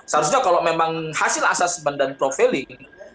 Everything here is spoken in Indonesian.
seharusnya kalau memang hasil asas benda profiling